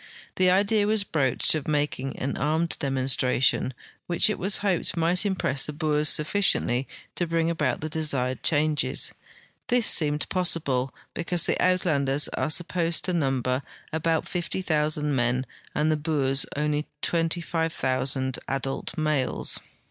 The idea was broached of making an armed demonstration, which it Avas hoped might impress the Boers sufficiently to bring about the desired changes. This seemed possible, because the Uit landers are supposed to number about 50,000 men and the Boers only about 25,000 * adult males.